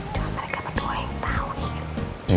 jangan mereka berdua yang tahu